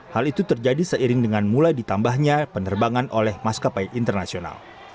hal itu terjadi seiring dengan mulai ditambahnya penerbangan oleh maskapai internasional